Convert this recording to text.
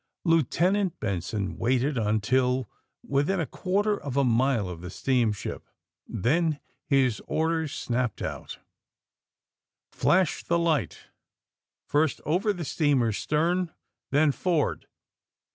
Lieutenant Benson waited until within a quar ter of a mile of the steamship. Then his orders snapped out :*^ Flash the light — first over the steamer's stern, then for'ard!